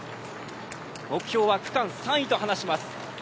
目標は区間３位と話します。